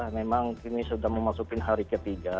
memang ini sudah memasuki hari ketiga